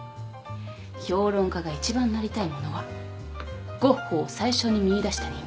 評論家が一番なりたいものはゴッホを最初に見いだした人間。